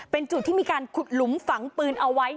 เป็นจุดที่มีการขุดหลุมฝังปืนเอาไว้